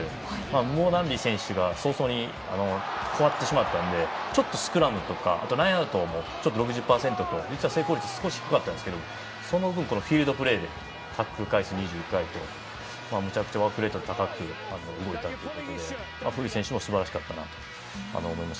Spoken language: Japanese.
ムボナンビ選手が早々に代わってしまったのでちょっとスクラムとかラインアウトも６０％と少し成功率が低かったんですがその分フィールドプレーでタックル回数２１回とめちゃくちゃワークレート高く動いたというところでフーリー選手もすばらしかったなと思います。